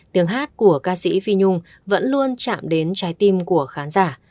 tiếng hát của ca sĩ phi nhung vẫn luôn chạm đến trái tim của khán giả